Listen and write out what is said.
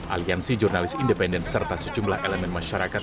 aliansi jurnalis independen serta sejumlah elemen masyarakat